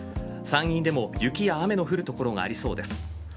山陰でも雪や雨の降る所がありそうです。